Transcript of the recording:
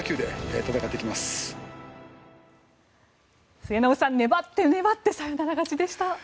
末延さん、粘って粘ってサヨナラ勝ちでした。